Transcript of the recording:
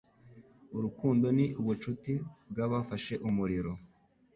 Urukundo ni ubucuti bwafashe umuriro.